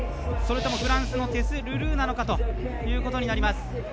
それともフランスのテス・ルドゥーなのかということになります。